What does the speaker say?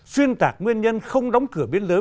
xuyên tạc nguyên nhân không đóng cửa biên giới